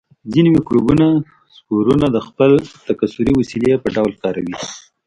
ځینې مکروبونه سپورونه د خپل تکثري وسیلې په ډول کاروي.